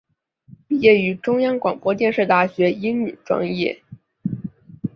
毕业于中央广播电视大学英语专业。